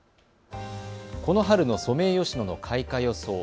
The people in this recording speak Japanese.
この春のソメイヨシノの開花予想。